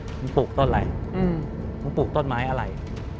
ปลูกต้นอะไรมึงปลูกต้นไม้อะไร